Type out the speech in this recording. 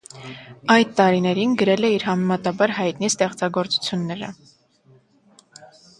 Այդ տարիներին գրել է իր համեմատաբար հայտնի ստեղծագործությունները։